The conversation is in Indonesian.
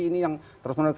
ini yang terus menurut saya